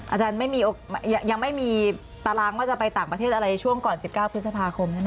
อาจารย์ยังไม่มีตารางว่าจะไปต่างประเทศอะไรช่วงก่อน๑๙พฤษภาคม